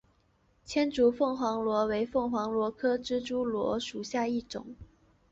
千足凤凰螺为凤凰螺科蜘蛛螺属下的一个种。